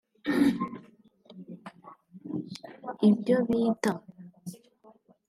ibyo bita